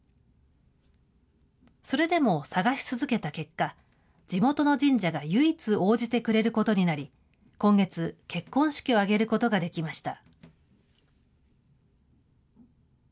それでも探し続けた結果、地元の神社が唯一応じてくれることになり、今月、結婚式を挙げることができました。